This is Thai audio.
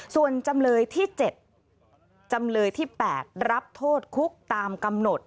ส่วนจำเลยที่๗จำเลยที่๘รับโทษคุกตามกำหนด